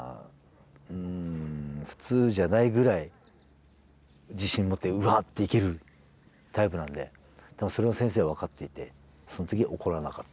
うん普通じゃないぐらい自信持ってうわっていけるタイプなんで多分それを先生は分かっていてその時怒らなかったっていうね。